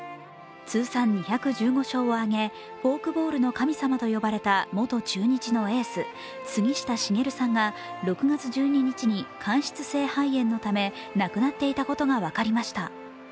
通算２１５勝を挙げ、フォークボールの神様と呼ばれた元中日のエース、杉下茂さんが６月１２日に間質性肺炎のため亡くなっていたことが分かりました。